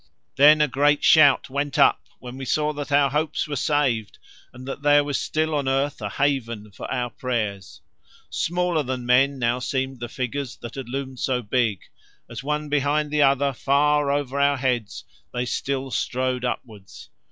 Then a great shout went up when we saw that our hopes were saved and that there was still on earth a haven for our prayers. Smaller than men now seemed the figures that had loomed so big, as one behind the other far over our heads They still strode upwards.